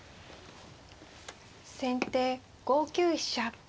先手５九飛車。